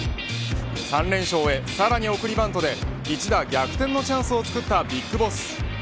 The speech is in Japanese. ３連勝へ、さらに送りバントで一打逆転のチャンスをつくったＢＩＧＢＯＳＳ。